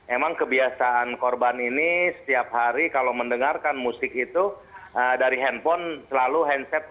emang kebiasaan korban ini setiap hari kalau mendengarkan musik itu dari handphone selalu handset